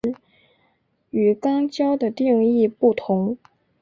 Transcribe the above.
与肛交的定义不同。